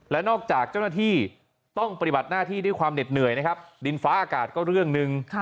และนอกจากเจ้าหน้าที่ต้องปฏิบัติหน้าที่ด้วยความเหน็ดเหนื่อยนะครับดินฟ้าอากาศก็เรื่องหนึ่ง